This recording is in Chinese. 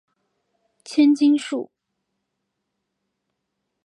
千筋树